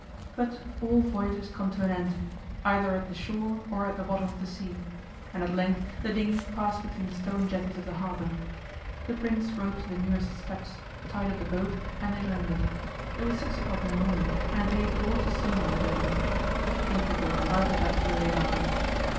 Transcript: But all voyages come to an end, either at the shore or at the bottom of the sea, and at length the dinghy passed between the stone jetties of the harbour. The Prince rowed to the nearest steps, tied up the boat, and they landed. It was six o'clock in the morning, and a day of gorgeous sunlight had opened. Few people were about at that early hour.